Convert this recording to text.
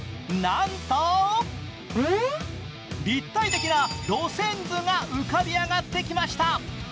なんと立体的な路線図が浮かび上がってきました。